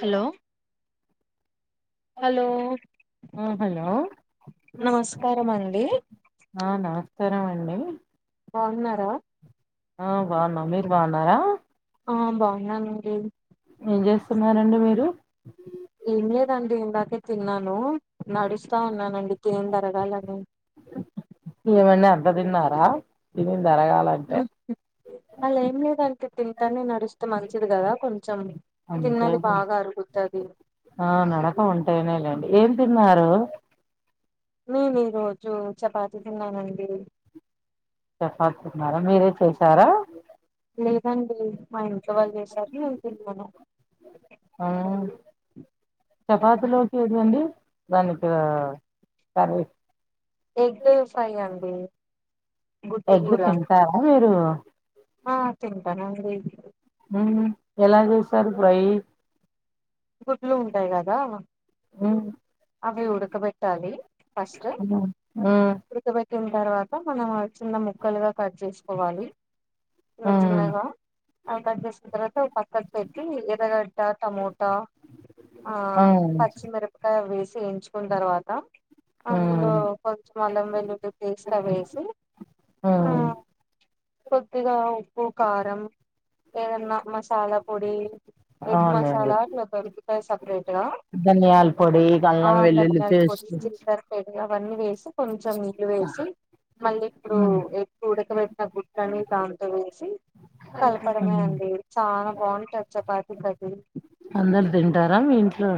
Hello hello ఆ hello నమస్కారమండి ఆ నమస్కారం అండి. బావున్నారా న్నారా హా బావున్నానండి. ఏం జేస్తున్నారండి మీరు ఏం లేదండి ఇందాకే తిన్నాను. నడుస్తా ఉన్నానండి తినింది ఆరగాలని ఏవండీ అంతా దిన్నారా ఇవేన్ అలా ఏం లేదండి. తింటానే నడుస్తే మంచిది గదా కొన్ అంతేలే ఆ నడక ఉంటేనే లేండి. ఏం తిన్నారు. నేను ఈ రోజు చపాతి తిన్నానండి చెపాతి తిన్నార మీరే చేసార లేదండి మా ఇంట్లో వాళ్ళు చేసారు నేను తిన్న ఆ చపాతలో ఎది అండి దానికు కర్రీ ఎగ్ ఫ్రై అండి గుడ్డు ఎగ్ కురా తింటారా మీరు ఆ తింటనండి ఎలా చేసారు ఫ్రై గుడ్లు ఉంటాయి కదా ఉమ్ అవి ఉడుకబెట్టాలి ఫస్ట్ట్ ఉమ్ ఉ ఉండక పెట్టిన తర్వాత మనం చిన్న ముక్కలుగా కట్ చేసుకోవాలి చిన్న ఉమ్ చిన్నగా అవి కట్ చేస్ ఒక పక్కకు పెట్టి ఎరగడ్డ టమో ట ఆ ఉమ్ పచ్చిమిరపకాయ వేసి ఏంచుకున్న తర్వాత అందులో ఉమ్ కొంచెం అల్లం వెల్లులి పేస్ట్ అవి వేసి ఆ కొద్దిగా ఉప్పు కారం ఏదన్నా మసాల పొడి అవునండీ ఒక ఉల్లిపాయీ సెపరేట్ పొడి అల్లం వెల్లుల్లి పేస్ట్ [unintelligible] మళ్ళీ ఇప్పుడు ఎగ్ ఉడకబెట్టిన గుడ్లన్ని దాంట్లో వేసి కలపడమే అండి చాల బాగుంటది చపాతి లోకి అందరు తింటారా మీ ఇంట్లో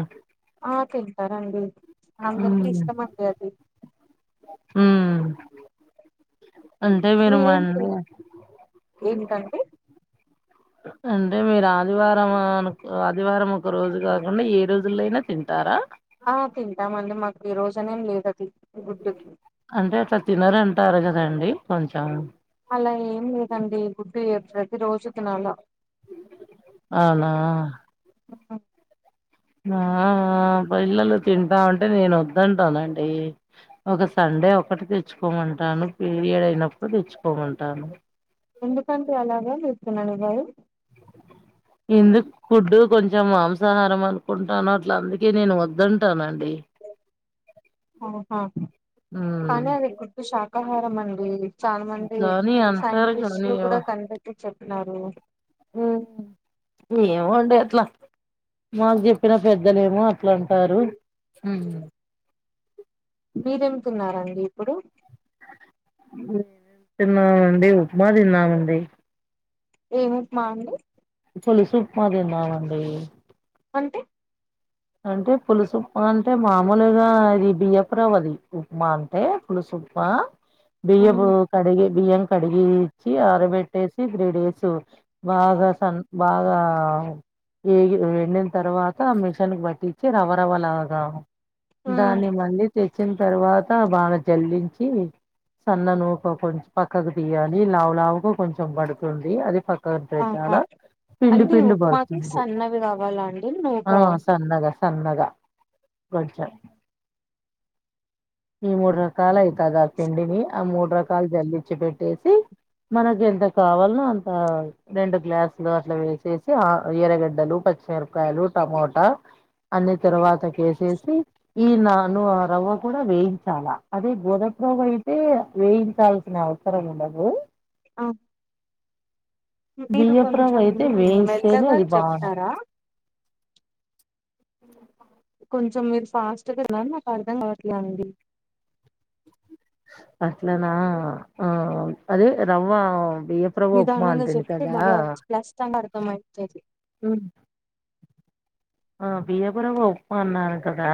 ఆ తింటారండి అందరికి ఇష్టమండి అది ఉమ్ అంటే మీరు మీరేం మండే [unintelligible] అంటే మీరు ఆదివారం అ ఆదివారం ఒక రోజు కాకుండా ఏ రోజుల్లో అయిన తింటార [unintelligible] లేదది గుడ్డు అంటే అట్లా తినరంటారు కదండి కొంచెం అలా ఏం లేదండి గుడ్డు ప్రతి రోజు తినాల అవునా ఆ ఆ పిల్లలు తింటామంటే నేను [unintelligible] ఒక సం డే ఒకటి తెచ్చుకోమంటాను పీరియడ్ అయినప్పుడు తెచ్చుకోమంటాను ఎందుకండి అలాగ ఎందుకు గుడ్డు కొంచెం మాంసాహారం అనుకుంటాను అట్ల అందుకే నేను వద్దుఅంటానండి ఆహా కానీ అది గుడ్డు శాకాహారం అండి చాలా మంది కానీ అంటారు కానీ సైంటిస్ట్లు కూడ కనిపెట్టి చెప్పినారు ఏమో అండి అట్ల మాకు చెప్పిన పెద్దలే ఏమో అట్ల అంటారు మీరేం తిన్నరండి ఇప్పుడు [unintelligible] ఉప్మా తిన్నామండి ఏమి ఉప్మా అండి చల్లి సూప్మా తిన్నామండి అంటే అంటే పులుసుప్మా అంటే మామూలుగా అది బియ్యపురవ్వది ఉప్మా అంటే పులుసు ఉప్మా బియ్యము మ్ కడిగి బియ్యం కడిగిచ్చి అరబెట్టేసి త్రీ డేస్ బాగా సన్ బాగా ఏగ్ ఎండిన తర్వాత మీక్ పట్టించి రవరవ్వ లాగ దాన్ని మ్ మళ్ళి తె చ్చిన తర్వాత బాగా జల్లించి సన్న నూక కొంచం పక్కకు తీయాలి లావు లావుగా కొంచెం పడుతుంది అది పక్ కర్ ఆహా పెట్నారా పిండి అంటే పిండి ఉప్మాకి పడుతుంది సన్నవి కావాలా అండి ఆ నూకా సన్నగా సన్నగా కొంచ్ ఈ మూడు రకాలయితదా ఆ పిండిని ఆ మూడు రకాలు జల్లిచ్చి పెట్టేసి మనకి ఎంత కావల్నో అంత రెండు గ్లాసులు అట్లా వేసేసి ఆ ఎర్రగడ్డలు పచ్ సోరకాయలు టమోటా అన్ని తర్వాత కేేసేసి ఈ నను రవ్వ గ వేయించాలా అదే గోదపు రావ్వైతే వేయించాల్సిన అవసరం ఉండదు ఆ మీరు బియ్యపు రవ్వ కొంచెం అయితే వేయిస్తేనే మెల్లగా అది బాగుంటది చెప్తారా ఉ కొంచెం మీరు ఫాస్ట్గా ఉన్నారు నాకు అర్థం కావట్లే అండి అట్లనా ఆ అదే రవ్వ బియ్యపు రవ్వ ఉప్మా నిదానంగా అంటిని చెప్తే కదా బాగా స్పష్టంగా అర్థం అయితది ఆ ఆ బియ్యపు రవ్వ ఉప్మా అన్నారు కదా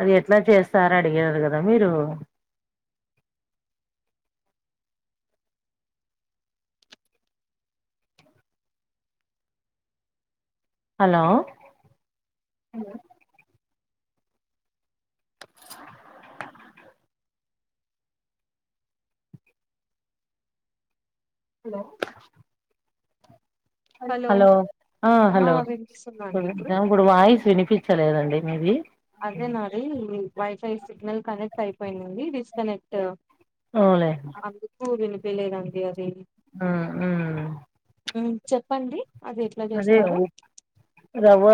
అది ఎట్లా చేస్తారో అడిగారు కదా మీరు అ హలో హలో హలో హలో ఆ హలో ఇప్పుడు వాయిస్ వినిపి స్తలేదండి మీది అదే నాది ఈ వైఫై సిగ్నల్ కనెక్ట్ అయిపోయిందండి డిస్కనెక్ట్ అవులే తేలీదండి అది ఆ మ్ మ్ చెప్పండి అది ఎట్లా అదే చేస్తారు ఉ రవ్వ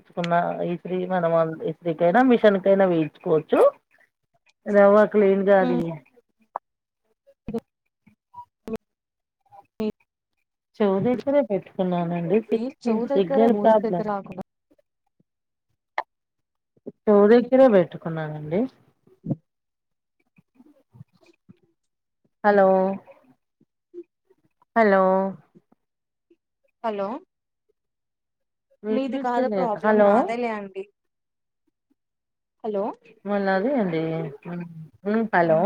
చ్చుకున్న ఈస్తీ మనం ఈస్త్రీకైనా మిషన్ కైనా వేయించుకోవచ్చు రవ్వ క్లిన్ దది మ్మ్ చౌదిసిరే పెట్ న్నానండి సిగ్ చెవు దగ్గర సిగ్నల్ మూతి దగ్గర ప్రాబ్లమ్ కాకుండా స్టోరిస్ కుడా పెట్టుకున్నానండి హలో హలో హలో మీది కాదు వినిపించలేదు ప్రాబ్లం హలో నాదే లే అండి హలో మొన్నది ఏందీ మ్ హలో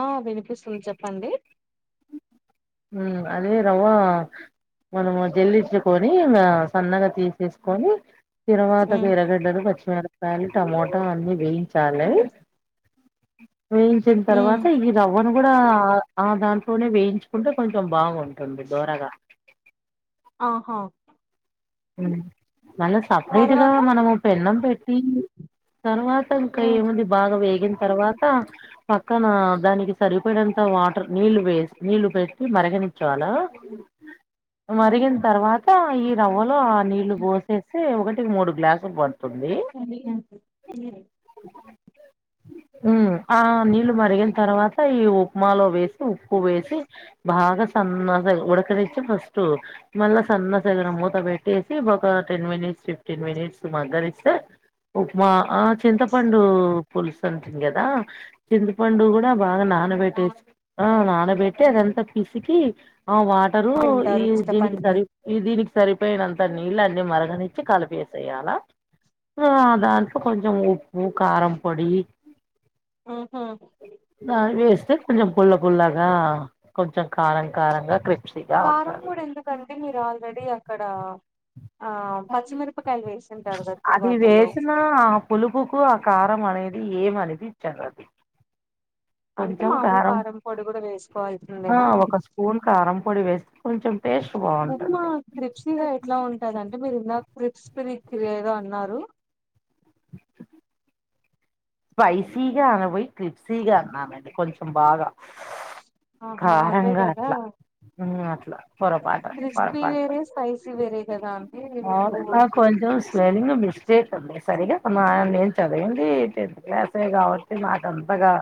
ఆ వినిపిస్తుంది చెప్పండి ఉ అదే రవా మనము జల్లిచుకొని, ఇంగా సన్నగా తీసేసుకొని తిరువాతకు ఎరగడ్డలు పచ్ మెరికాయలు, టమోటా అన్నీ వేయించాలి. వేయించిన తర్వాత, ఈ రవ్వను కూడా ఆ అ దాంట్లోనే వేయించ్ కుంటే కొంచెం బాగుంటుంది దోరగా ఆహా ఉ మళ్ళ సపరేట్ గా తర్వాత మనము పెన్నం పెట్టి తర్వా క ఏముంది బాగ వే వేగిన్ తర్వాత, పక్కన దానికి సరిపోయినంత వాటర్ నీళ్లు వేస్ నీళ్లు పెట్టి మ మరగనిచే వాళ్ళు, మరిగిన తరువాత ఈ రవ్వ లో ఆ నీళ్లు పోసేసి ఒకటికి మూడు గ్లాసులు పడ్ కొండిగా ఏ ఉ ఆ నీళ్ళు మరిగిన తర్వాత, ఈ ఉప్మాలో వేసి, ఉప్పు వేసి బా గ సన్న స ఉడకనిచ్చి ఫస్ట్ మళ్ళ సన్న సైజ్ ల మూత పెట్ ట్టేసి ఒక టెన్ మినిట్స్ ఫిఫ్టీన్ మినిట్స్ మగ్గనిస్తే ఉప్మా ఆ చింతపండు పులుసు అంటి కదా, చింతపండు కూడా బాగా నా నానబెట్టే ఆ నానబెట్టటి అదంతా పిసికి ఆ వాటరు ఈ ఉంటారు దీనికి చింతపండుని సరి ఈ దీనికి సరి పోయినంత నీళ్ళు అన్నీ మరగనిచ్చి కలిపేసేయాల. ఆ దాంట్లో కొంచం ఉప్పు, కారం పొడి ఆ వేస్తే కొంచం పుల్ల పుల్లగా కొంచం కారం కారంగా క్రి కారం పొడి ఎందుకండి? మీరు ఆల్రెడీ అక్కడ ఆ పచ్చిమిరపకాయలు వేసింటారు కదా అది తిరువాతలో వేసిన ఆ పులుపుకు ఆ కారం అ అనేది ఏం అనిపిచదు అంటే మామూలు కారం పొడి కూడా ఆ వేసుకోవాల్సిందేనా? ఒక స్పూన్ కారం పొడి వేస్తే కొంచెం టేస్ట్ ఉప్మా బాగుంటుంది క్రిప్సి గా ఎట్లా వుంటదంటే మీరు ఇందా క్రిప్స్పిరికి ఏదో అన్నారు స్పైసీగా అనబోయి క్రిప్సి గా అన్నానండి కొంచం బాగా ఆహా అదే కారంగ అట్ల కదా ఉ అట్లా పొరపాట క్రిస్పీ పొరపాటు వేరే స్పైసీ వేరే కదా అండి ఆ మీకు అక్క కొ ఉ స్పెల్లింగ్ మిస్టేక్ ఉంద సరిగా మా నేన్ చదివింది టెన్త్ క్లాసే కాబట్టి నాకంతగా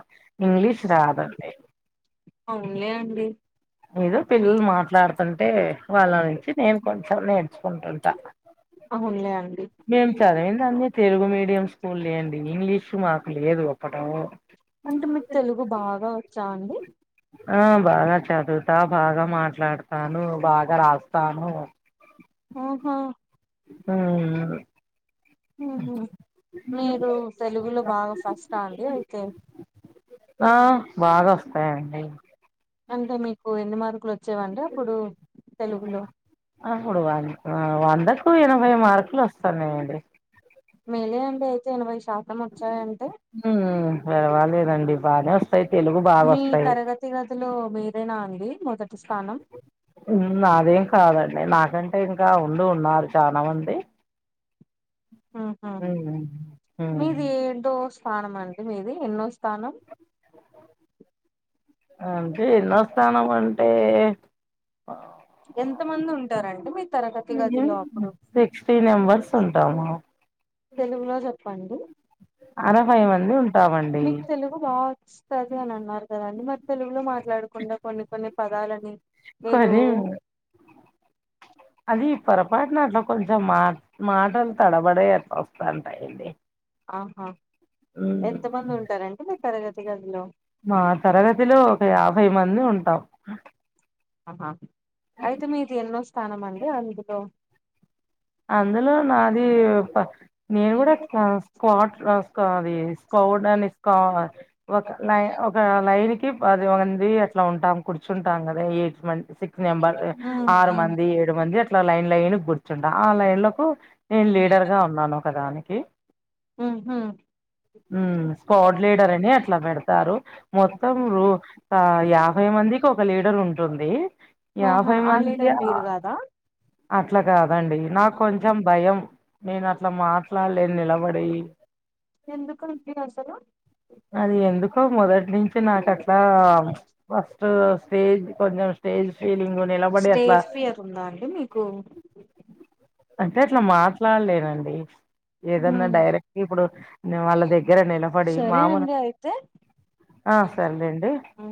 అవున్లే అండి ఏదో పిల్లలు మాట్లాడుతుంటే వాళ్ళ నుంచి నేను కొంచెం నేర్చుకుంటుంటా అవునులే అండి మేం చదివింది అన్ని తెలుగు మీడియం స్కూల్ లే అండి ఇంగ్లీషు మాకు లేదు అప్పుటు అంటే మీకు తెలుగు బాగా వచ్చా అండి? ఆ బాగా చదువుతా, బాగా మాట్లాడతాను, బాగా రాస్తాను. ఓహో హూ ఉహు మీరు తెలుగులో బాగా ఫస్ట్ అండి అయితే? ఆ బాగా వస్తా అంటే మీకు ఎన్ని మార్కులు వచ్చేవంటే అప్పుడు తెలుగులో అప్పుడు వంద వందకు ఎనభై మార్కులు వస్తాన్నాయండి మేలే అండి అయితే ఎనభై శాతం వచ్చాయంటే ఉమ్ పర్వాలేదండి బానే వస్తాయి తెలుగు బాగా మీ వస్తాయి తరగతి గదిలో వేరేనా అండి మొదటి స్థానం నాదేం కాదండి నాకంటే ఇంకా ఉండి ఉన్నారు చాలామంది ఆహా ఉమ్ మీది డోప్ స్థానం అండి మీది ఎన్నో స్థానం అంటే ఎన్నొ స్థానం అంటే ఎంత మంది ఉంటారు అండి మీ తరగతి ఉహు గదిలో అప్పుడు సిక్స్టీ మెంబర్స్ ఉంటాము తెలుగులో చెప్పండి అరవై మంది ఉంటామండి మీకు తెలుగు బాగా వస్తుంది అని అన్నారు కదండి మరి తెలుగులో మాట్లాడకుండా కొన్ని కొన్ని పదాలని మీరు కానీ అది ఈ పొరపాటున అట్లా కొంచెం మా మాటలు తడబడయారు వస్తాంటయిడి ఆహా ఎంత మంది ఉంటారంటడి మీ తరగతి గదిలో మా తరగతిలో ఒక యాభై మంది ఉంటాం ఆహా అయితే మీది ఎన్నో స్థానం అండి అందులో అందులో నాది నేను కూడా స్కాడ్ రాసుకోవాలి స్కోడ్ అని స్ ఒక నై ఒక లైన్ కి పది మంది అట్లా ఉంటాము కూర్చుంటాం కదా ఎట్ మ సిక్స్ నెంబర్ ఉమ్, ఆరు మంది ఏడు మంది అట్లా లైన్ లైన్ కూర్చుంట ఆ లైన్ లకు నేను లీడర్ గా ఉన్నాను ఒకదానికి ఉహు స్క్వాడ్ లీడర్ అని అట్లా పెడతారు మొత్తం ఉహు యాభై మందికి ఒక లీడర్ ఉంటుంది ఆహా యాభై ఆ మందికీ లీడర్ మీరు కాదా అట్లా కాదు అదండి నాకు కొంచెం భయం నేను అట్లా మాట్లాడలేని నిలబడి ఎందుకుండి అసలు అది ఎందుకో మొదటి నుంచి నాకు అట్లా వష్ట స్టేజ్ కొంచెం స్టేజ్ ఫీలింగ్ నిలబడి అట్లా స్టేజ్ ఫియర్ ఉందా అండి మీకు అంటే అట్లా మాట్లాడలేనండి ఏదన్నా ఉమ్ డైరెక్ట్ ఇప్పుడు వాళ్ళ దగ్గర నిలబడి సరే మామలు అండి అయితే ఆ సరేలేండీ ఆ